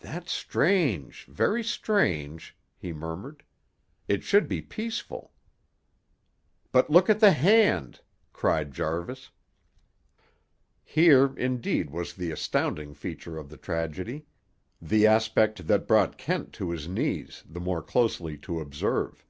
"That's strange; very strange," he murmured. "It should be peaceful." "But look at the hand!" cried Jarvis. Here, indeed, was the astounding feature of the tragedy; the aspect that brought Kent to his knees, the more closely to observe.